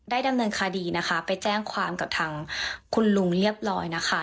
ดำเนินคดีนะคะไปแจ้งความกับทางคุณลุงเรียบร้อยนะคะ